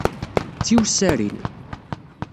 D tiwessarin.